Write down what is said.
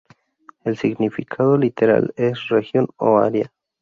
El significado literal es "región" o "área".